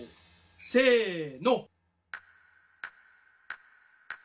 せの。